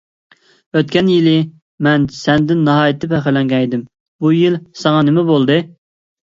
ئۆتكەن يىلى مەن سەندىن ناھايىتى پەخىرلەنگەنىدىم، بۇ يىل ساڭا نېمە بولدى؟